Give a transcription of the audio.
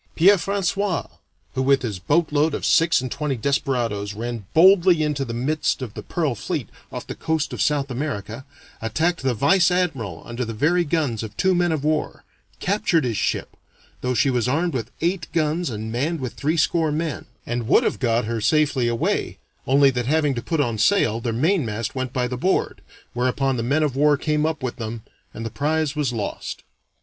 Pierre François, who, with his boatload of six and twenty desperadoes, ran boldly into the midst of the pearl fleet off the coast of South America, attacked the vice admiral under the very guns of two men of war, captured his ship, though she was armed with eight guns and manned with threescore men, and would have got her safely away, only that having to put on sail, their main mast went by the board, whereupon the men of war came up with them, and the prize was lost.